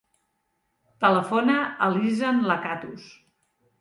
Telefona a l'Izan Lacatus.